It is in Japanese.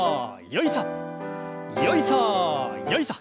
よいさよいさ。